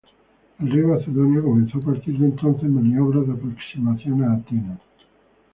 El rey macedonio comenzó a partir de entonces maniobras de aproximación a Atenas.